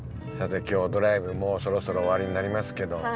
さて今日ドライブもうそろそろ終わりになりますけど。